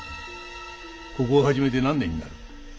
ここを始めて何年になる？